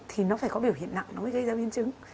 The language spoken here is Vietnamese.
thì nó phải có biểu hiện nặng nó mới gây ra biến chứng